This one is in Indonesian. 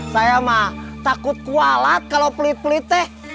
saya mah takut kualat kalau pelit pelit teh